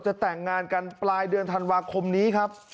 แต่งงานกันปลายเดือนธันวาคมนี้ครับ